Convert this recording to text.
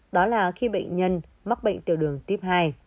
đó là khi bệnh nhân mắc bệnh tiểu đường tuyếp hai